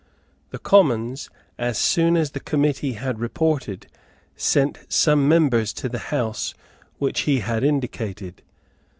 The Commons, as soon as the Committee had reported, sent some members to the house which he had indicated.